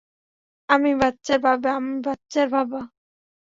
আমি বাচ্চার বাবা, আমি বাচ্চার বাবা!